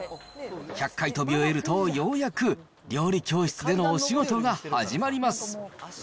１００回跳び終えると、ようやく料理教室でのお仕事が始まります